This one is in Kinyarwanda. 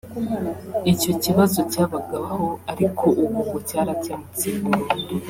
icyo kibazo cyabagaho ariko ubu ngo cyarakemutse burundu